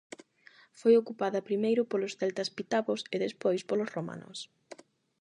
Foi ocupada primeiro polos celtas pitavos e despois polos romanos.